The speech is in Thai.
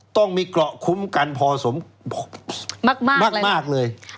ต้องมีประจำกล่าวคุมกันมากเลย